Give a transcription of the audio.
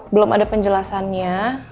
belum ada penjelasannya